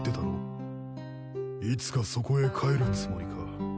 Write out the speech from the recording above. いつかそこへ帰るつもりか？